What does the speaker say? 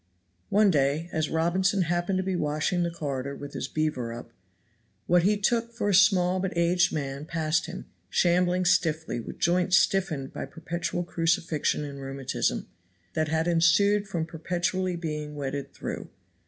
One day as Robinson happened to be washing the corridor with his beaver up, what he took for a small but aged man passed him, shambling stiffly, with joints stiffened by perpetual crucifixion and rheumatism, that had ensued from perpetually being wetted through.